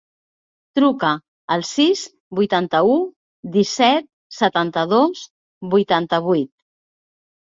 Truca al sis, vuitanta-u, disset, setanta-dos, vuitanta-vuit.